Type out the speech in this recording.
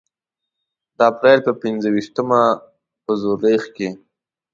د اپریل په پنځه ویشتمه په زوریخ کې.